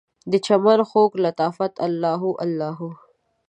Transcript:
دچمن خوږ لطافته، الله هو الله هو